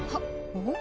おっ！